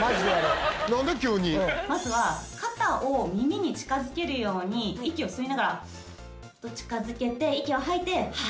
まずは肩を耳に近づけるように息を吸いながら近づけて息を吐いてハア。